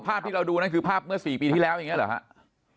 ภาพที่เราดูนั่นคือภาพเมื่อ๔ปีที่แล้วอย่างนี้เหรอครับ